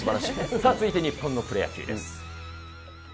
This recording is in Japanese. さあ、続いて日本のプロ野球です。